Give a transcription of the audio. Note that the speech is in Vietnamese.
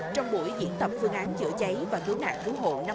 trong buổi diễn tập phương án chữa cháy và cứu nạn cứu hộ năm hai nghìn hai mươi bốn